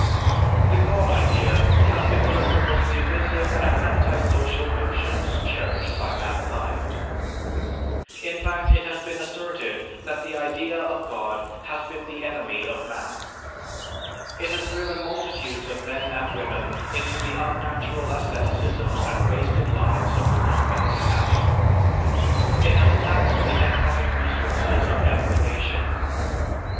The God idea has been one of the most divisive and anti social notions cherished by mankind. In fact it has been asserted that the idea of God has been the enemy of man. It has driven multitudes of men and women into the unnatural asceticisms and wasted lives of the convent and abbey. It has taxed the economic resources of every nation.